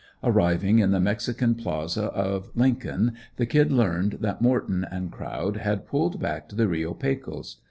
Arriving in the mexican Plaza of Lincoln the "Kid" learned that Morton and crowd had pulled back to the Reo Pecos.